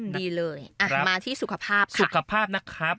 มาที่สุขภาพค่ะ